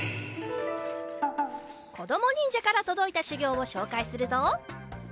こどもにんじゃからとどいたしゅぎょうをしょうかいするぞ。